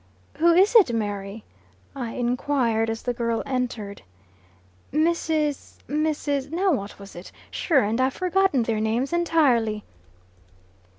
"Who was it, Mary?" I enquired, as the girl entered. "Mrs. Mrs. Now what was it? Sure, and I've forgotten their names intirely."